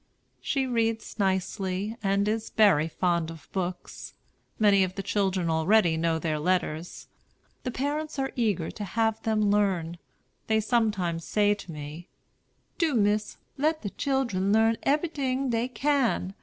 She reads nicely, and is very fond of books. Many of the children already know their letters. The parents are eager to have them learn. They sometimes say to me: "Do, Miss, let de children learn eberyting dey can.